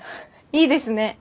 いいですね。